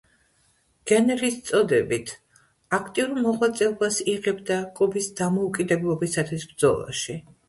გენერლის წოდებით აქტიურ მოღვაწეობას იღებდა კუბის დამოუკიდებლობისათვის ბრძოლაში.